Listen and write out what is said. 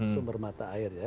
sumber mata air ya